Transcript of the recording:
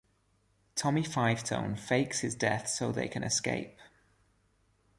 Tommy Five-Tone fakes his death so they can escape.